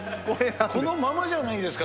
このままじゃないですか。